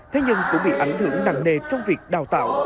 thế nhưng cũng bị ảnh hưởng nặng nề trong việc đào tạo